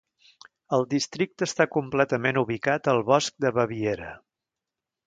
El districte està completament ubicat al Bosc de Baviera.